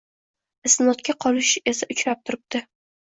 Isnodga qolish esa uchrab turibdi